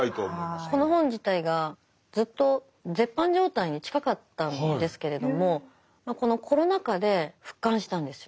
この本自体がずっと絶版状態に近かったんですけれどもこのコロナ禍で復刊したんですよ。